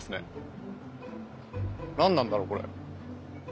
何なんだろうこれ。